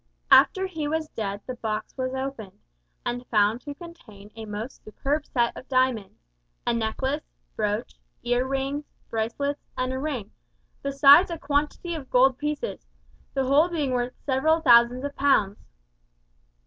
"After he was dead the box was opened, and found to contain a most superb set of diamonds a necklace, brooch, ear rings, bracelets, and a ring, besides a quantity of gold pieces, the whole being worth several thousands of pounds.